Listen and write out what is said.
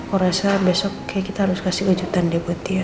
aku rasa besok kita harus kasih kejutan dia buat dia